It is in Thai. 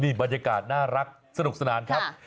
บรรยากาศน่ารักสนุกสนานครับ